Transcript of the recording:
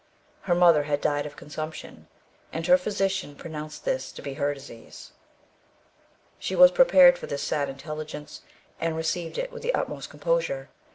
Her mother had died of consumption, and her physician pronounced this to be her disease. She was prepared for this sad intelligence, and received it with the utmost composure.